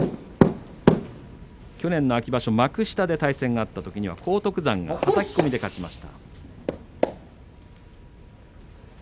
去年の秋場所幕下で対戦があったときには荒篤山がはたき込みで勝ちました。